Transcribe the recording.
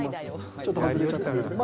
ちょっと外れちゃったんだけど。